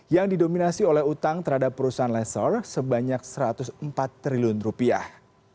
yang didominasi oleh utang terhadap perusahaan lesor sebanyak satu ratus empat triliun rupiah